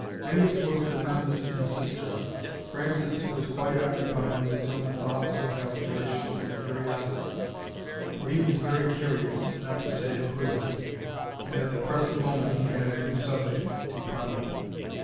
Angus was the nervous insister. Francis was quite occupied with his own thoughts and calculations and curiosity. For he was very curious, not to say inquisitive. And at the present moment he had a new subject to ponder.